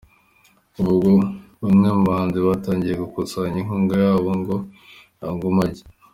Kuva ubwo bamwe mu bahanzi batangiye gukusanya inkunga yabo ngo Angume ajye.